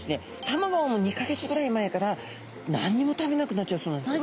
卵を産む２か月ぐらい前から何にも食べなくなっちゃうそうなんです。